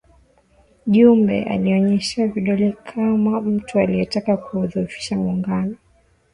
Jumbe alinyooshewa vidole kama mtu aliyetaka kuudhofisha Muungano